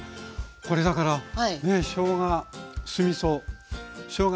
これだからしょうが酢みそしょうが